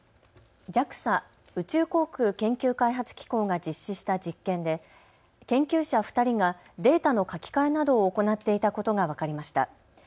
ＪＡＸＡ・宇宙航空研究開発機構が実施した実験で研究者２人がデータの書き換えなどを行っていたことが分かりました。